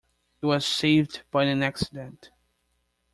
It was saved by an accident.